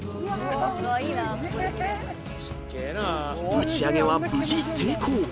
［打ち上げは無事成功］